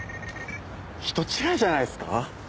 人違いじゃないですか？